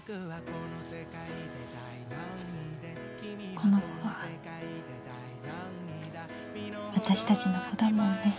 この子は私たちの子だもんね。